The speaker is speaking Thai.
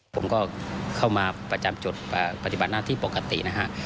ผมก็เข้ามาประจำจุดปฏิบัติหน้าที่ปกตินะฮะ